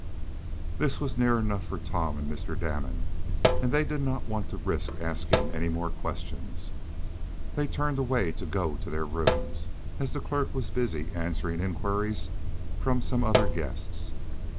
This was near enough for Tom and Mr. Damon, and they did not want to risk asking any more questions. They turned away to go to their rooms, as the clerk was busy answering inquiries from some other guests.